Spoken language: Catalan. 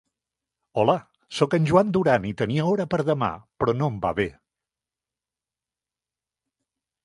Hola. Soc en Joan Duran i tenia hora per demà, però no em va bé.